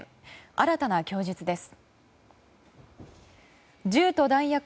新たな供述です。